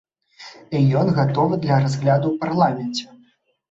І ён гатовы для разгляду ў парламенце.